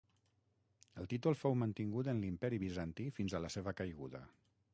El títol fou mantingut en l'imperi Bizantí fins a la seva caiguda.